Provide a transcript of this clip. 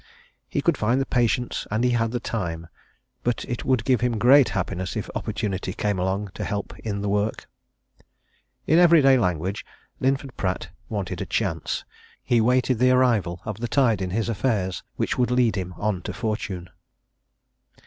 He could find the patience, and he had the time but it would give him great happiness if opportunity came along to help in the work. In everyday language, Linford Pratt wanted a chance he waited the arrival of the tide in his affairs which would lead him on to fortune.